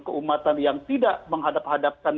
keumatan yang tidak menghadap hadapkan